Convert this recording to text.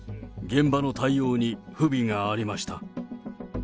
現場の対応に不備がありました。